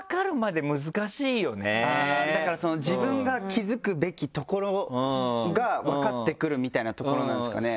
だから自分が気付くべきところが分かってくるみたいなところなんですかね。